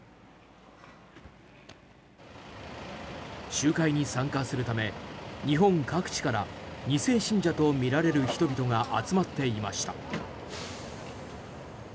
集会に参加するため日本各地から２世信者とみられる人々が集まっていました。